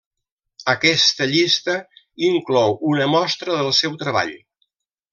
Aquesta llista inclou una mostra del seu treball.